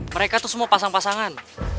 mereka tuh semua pasang pasangan